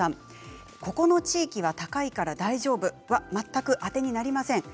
ここの地域は高いから大丈夫は全くあてになりません。